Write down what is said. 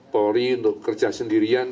polri untuk kerja sendirian